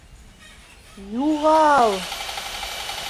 - Юға-а-ал!